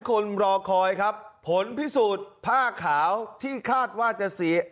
คนรอคอยครับผลพิสูจน์ผ้าขาวที่คาดว่าจะเสีย